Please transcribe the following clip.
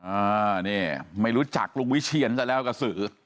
อ่านี่ไม่รู้จักลุงวิเชียนซะแล้วกระสือ